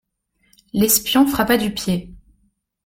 L'espion frappa du pied.